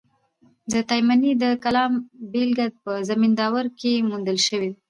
د تایمني د کلام بېلګه په زمینداور کښي موندل سوې ده.